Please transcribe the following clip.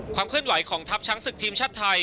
ความเคลื่อนไหวของทัพช้างศึกทีมชาติไทย